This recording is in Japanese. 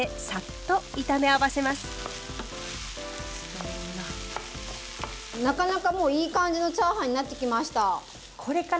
パラパラになったらなかなかもういい感じのチャーハンになってきました。